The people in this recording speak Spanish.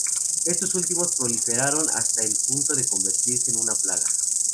Estos últimos proliferaron hasta el punto de convertirse en una plaga.